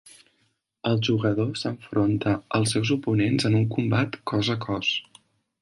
El jugador s'enfronta als seus oponents en un combat cos a cos.